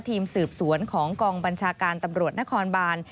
ทีมสืบสวนของกองบัญชาการตำรวจนครบาน